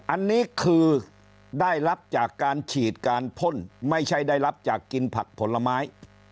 อันนี้คือได้รับจากการฉีดการพ่นไม่ใช่ได้รับจากกินผักผลไม้